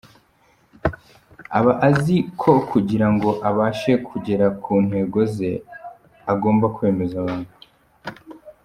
Aba azi ko kugira ngo abashe kugera ku ntego ze agomba kwemeza abantu.